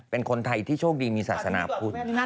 เป็นคนไทยที่โชคดีมีศาสนาพุทธ